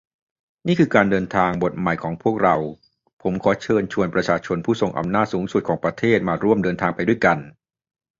นี่คือการเดินทางบทใหม่ของพวกเรา ผมขอเชิญชวนประชาชนผู้ทรงอำนาจสูงสุดของประเทศมาร่วมเดินทางไปด้วยกัน